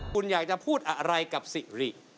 คุณอยากจะพูดอะไรกับสิริ